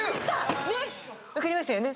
分かりましたよね。